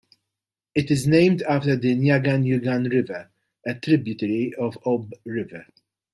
It is named after the Nyagan-Yugan River, a tributary of the Ob River.